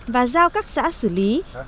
và giao các xã sử lý xã phố hà nội